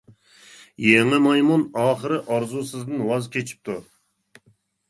يېڭى مايمۇن ئاخىرى ئارزۇسىدىن ۋاز كېچىپتۇ.